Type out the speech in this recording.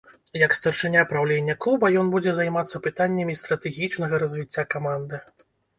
Як старшыня праўлення клуба ён будзе займацца пытаннямі стратэгічнага развіцця каманды.